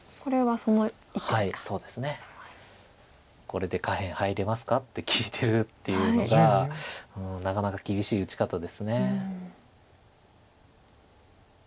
「これで下辺入れますか？」って聞いてるっていうのがなかなか厳しい打ち方です。